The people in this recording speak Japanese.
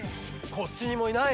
こっちにもいない！